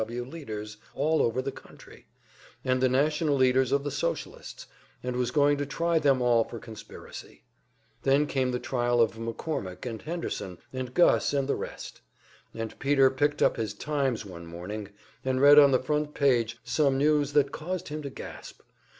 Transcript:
W. W. leaders all over the country, and also the national leaders of the Socialists, and was going to try them all for conspiracy. Then came the trial of McCormick and Henderson and Gus and the rest; and Peter picked up his "Times" one morning, and read on the front page some news that caused him to gasp.